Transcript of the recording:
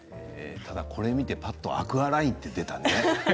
ただこれを見てぱっとアクアラインと出たね。